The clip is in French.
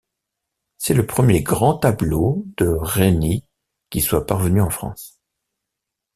C'est le premier grand tableau de Reni qui soit parvenu en France.